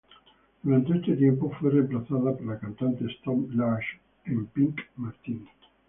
Durante ese tiempo fue reemplazada por la cantante Storm Large en Pink Martini.